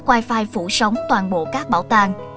wifi phủ sóng toàn bộ các bảo tàng